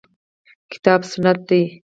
کتاب سنت دي.